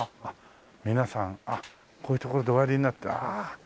皆さんこういう所でおやりになってああ。